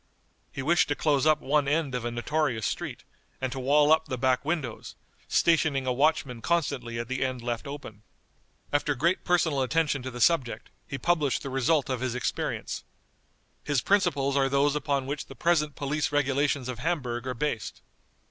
He wished to close up one end of a notorious street, and to wall up the back windows, stationing a watchman constantly at the end left open. After great personal attention to the subject, he published the result of his experience. His principles are those upon which the present police regulations of Hamburg are based.